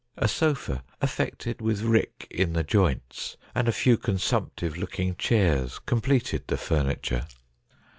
A sofa affected with rick in the joints, and a few consumptive looking chairs completed the furniture.